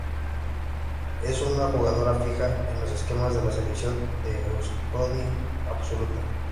Es una jugadora fija en los esquemas de la Selección de Euskadi Absoluta.